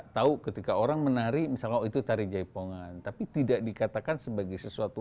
tahu ketika orang menari misalnya itu tari jaipongan tapi tidak dikatakan sebagai sesuatu